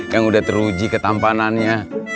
yang udah teruji ketampanannya